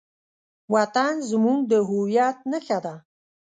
وطن زموږ د هویت نښه ده.